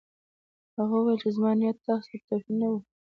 هغه وویل چې زما نیت تاسو ته توهین نه و